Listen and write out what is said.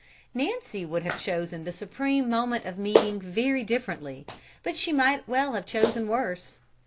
Nancy would have chosen the supreme moment of meeting very differently, but she might well have chosen worse.